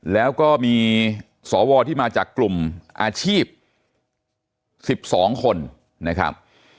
แล้วก็มีสวที่มาจากกลุ่มอาชีพ๑๒คนนะครับ